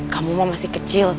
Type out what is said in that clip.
kamu mah masih kecil